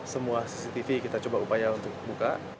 semua cctv kita coba upaya untuk buka